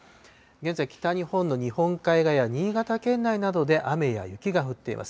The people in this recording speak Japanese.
現在、北日本の日本海側や新潟県内などで雨や雪が降っています。